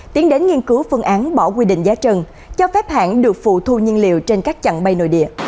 tiến đến nghiên cứu phương án bỏ quy định giá trần cho phép hãng được phụ thu nhiên liệu trên các chặng bay nội địa